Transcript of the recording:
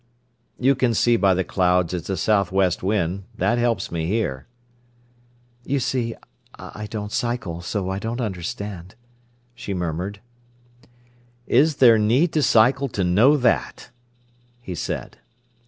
"You can see by the clouds it's a south west wind; that helps me here." "You see, I don't cycle, so I don't understand," she murmured. "Is there need to cycle to know that!" he said.